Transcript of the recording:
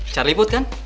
charlie put kan